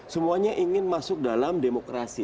semuanya ingin masuk dalam demokrasi